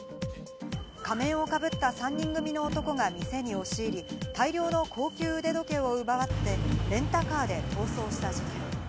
仮面をかぶった３人組の男が店に押し入り、大量の高級腕時計を奪ってレンタカーで逃走した事件。